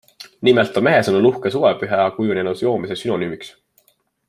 Nimelt on mehe sõnul uhke suvepüha kujunenud joomise sünonüümiks.